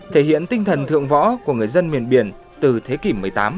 thể hiện tinh thần thượng võ của người dân miền biển từ thế kỷ một mươi tám